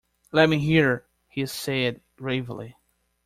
"Let me hear," he said gravely.